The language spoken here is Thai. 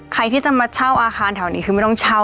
ใครที่จะมาเช่าอาคารแถวนี้คือไม่ต้องเช่า